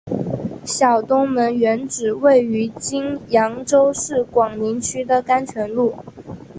小东门原址位于今扬州市广陵区的甘泉路。